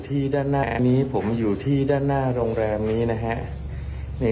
ด้านหน้าอันนี้ผมอยู่ที่ด้านหน้าโรงแรมนี้นะฮะ